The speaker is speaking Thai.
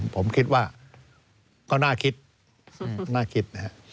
ผมคิดว่าก็น่าคิด